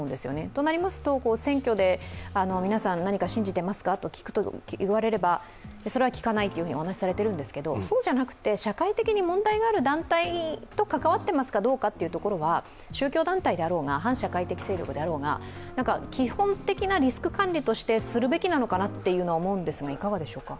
となりますと、選挙で皆さんなにか信じてますか？と聞くと言われればそれは聞かないとお話しされているんですけど、社会的に問題がある団体と関わっていますか、どうかというところは宗教団体であろうが、反社会的団体であろうが基本的なリスク管理としてするべきなのかなと思うんですが、いかがでしょうか？